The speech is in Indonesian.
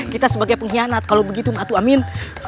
kita sebagai pengkhianat kalau begitu mah atuh amin